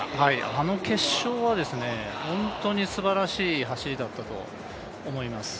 あの決勝は本当にすばらしい走りだったと思います。